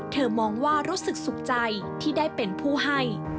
มองว่ารู้สึกสุขใจที่ได้เป็นผู้ให้